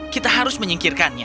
kita harus menyingkirkannya